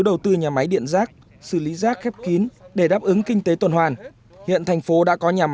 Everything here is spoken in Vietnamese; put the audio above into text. đầu tư nhà máy điện rác xử lý rác khép kín để đáp ứng kinh tế tuần hoàn hiện thành phố đã có